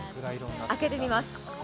開けてみます。